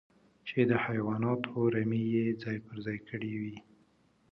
چې د حيواناتو رمې يې ځای پر ځای کړې وې.